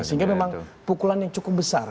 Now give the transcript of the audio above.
sehingga memang pukulan yang cukup besar